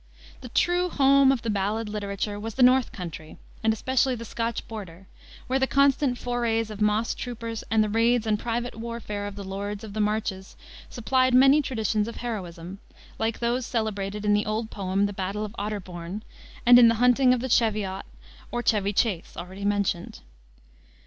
The true home of the ballad literature was "the north country," and especially the Scotch border, where the constant forays of moss troopers and the raids and private warfare of the lords of the marches supplied many traditions of heroism, like those celebrated in the old poem of the Battle of Otterbourne, and in the Hunting of the Cheviot, or Chevy Chase, already mentioned.